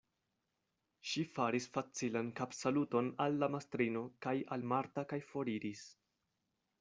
Ŝi faris facilan kapsaluton al la mastrino kaj al Marta kaj foriris.